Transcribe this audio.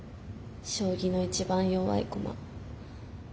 将棋の一番弱い駒。